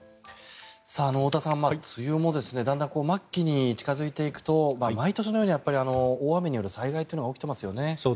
太田さん、梅雨もだんだん末期に近付いていくと毎年のように大雨による災害が起きていますよね。